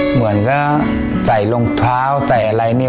เหมือนก็ใส่รองเท้าใส่อะไรเนี่ย